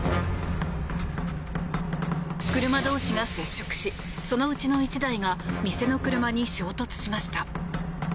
車同士が接触しそのうちの１台が店の車に衝突しました。